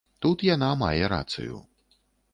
Тут яна мае рацыю.